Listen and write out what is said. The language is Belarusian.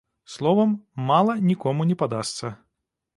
Словам, мала нікому не падасца.